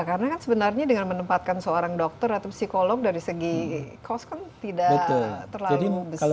karena kan sebenarnya dengan menempatkan seorang dokter atau psikolog dari segi cost kan tidak terlalu besar sementara dampaknya bisa sangat